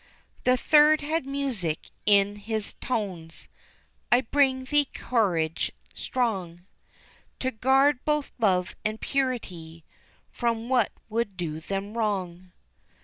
The third had music in his tones: "I bring thee Courage, strong, To guard both Love and Purity From what would do them wrong.